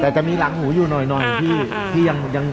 แต่จะมีหลังหูอยู่หน่อยที่ยังนั่งอยู่